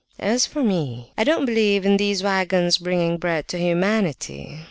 As for me, I don't believe in these waggons bringing bread to humanity.